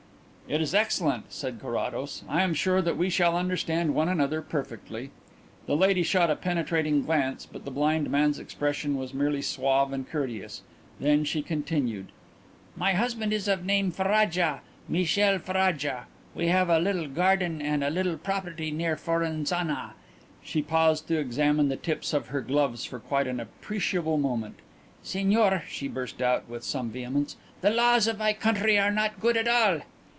"It is excellent," said Carrados. "I am sure that we shall understand one another perfectly." The lady shot a penetrating glance but the blind man's expression was merely suave and courteous. Then she continued: "My husband is of name Ferraja Michele Ferraja. We have a vineyard and a little property near Forenzana." She paused to examine the tips of her gloves for quite an appreciable moment. "Signor," she burst out, with some vehemence, "the laws of my country are not good at all."